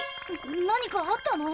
何かあったの？